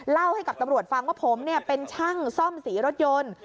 เล่าให้กับตำรวจฟังว่าผมเป็นช่างซ่อมสีรถยนต์